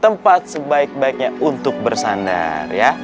tempat sebaik baiknya untuk bersandar